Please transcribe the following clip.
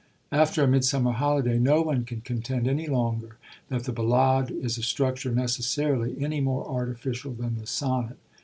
After A Midsummer Holiday no one can contend any longer that the ballade is a structure necessarily any more artificial than the sonnet.